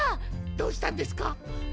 どうしたんですか？